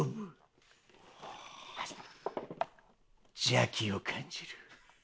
邪気を感じる。